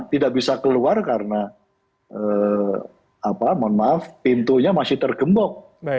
tidak bisa keluar karena pintunya masih tergembok